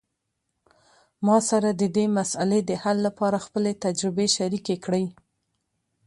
ما سره د دې مسئلې د حل لپاره خپلې تجربې شریکي کړئ